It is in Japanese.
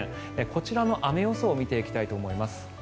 こちらの雨予想を見ていきたいと思います。